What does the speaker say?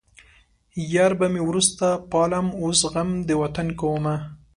يار به مې وروسته پالم اوس غم د وطن کومه